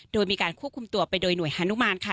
โดยมีการควบคุมตัวไปโดยหน่วยฮานุมานค่ะ